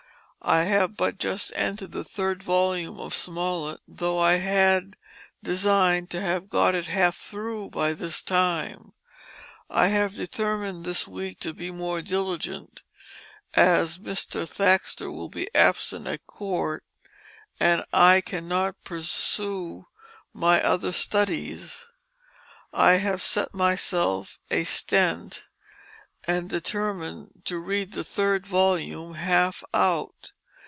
I have but just entered the 3rd vol of Smollett tho' I had design'd to have got it half through by this time. I have determined this week to be more diligent, as Mr. Thaxter will be absent at Court, & I cannot persue my other studies. I have set myself a Stent & determine to read the 3rd Volume Half out.